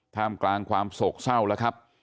ท่ามกลางความโศกเศร้าแล้วครับ